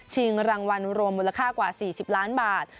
รางวัลรวมมูลค่ากว่า๔๐ล้านบาท